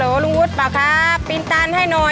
อรูลุงวุอสป่าวครับปีนตานให้หน่อย